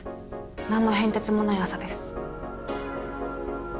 何の変哲もない朝です。